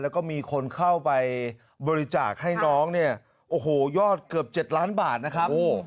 แล้วก็มีคนเข้าไปบริจาคให้น้องเนี่ยโอ้โหยอดเกือบ๗ล้านบาทนะครับ